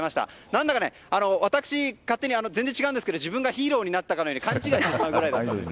何だか、私勝手に全然違うんですけど自分がヒーローになったかのように勘違いしちゃうくらいで。